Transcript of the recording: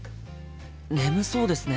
眠そうですね。